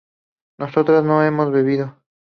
nosotras no hemos bebido